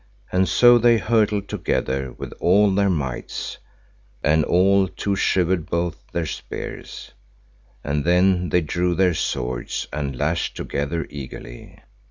And so they hurtled together with all their mights, and all to shivered both their spears. And then they drew their swords and lashed together eagerly.